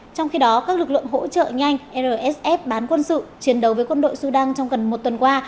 trong khi đó các lực lượng hỗ trợ nhanh rsf bán quân sự chiến đấu với quân đội sudan trong gần một tuần qua